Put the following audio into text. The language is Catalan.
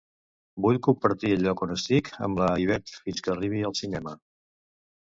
Vull compartir el lloc on estic amb la Ivet fins que arribi al cinema.